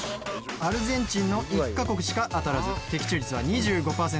アルゼンチンの１カ国しか当たらず的中率は２５％。